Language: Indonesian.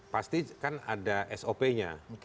pasti kan ada sop nya